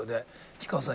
氷川さん